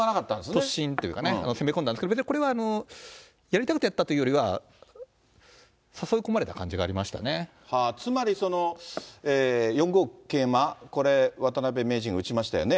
突進っていうか、攻め込んだんですけど、これはやりたくてやったというよりは、つまり、４五桂馬これ、渡辺名人が打ちましたよね。